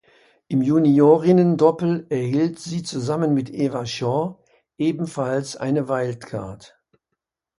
Im Juniorinnendoppel erhielt sie zusammen mit Eva Shaw ebenfalls eine Wildcard.